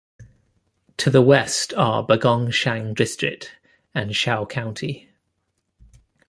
To the west are Bagongshan District and Shou County.